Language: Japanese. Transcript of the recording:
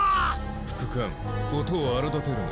副官事を荒立てるな。